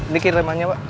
dikit remanya pak